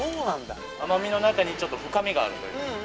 甘みの中にちょっと深みがあるという。